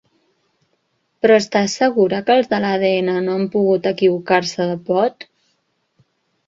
Però estàs segura que els de l'ADN no han pogut equivocar-se de pot?